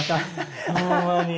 ホンマに。